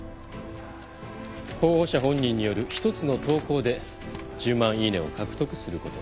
候補者本人による１つの投稿で１０万イイネを獲得すること。